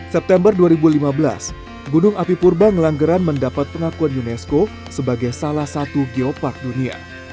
september dua ribu lima belas gunung api purba ngelanggeran mendapat pengakuan unesco sebagai salah satu geopark dunia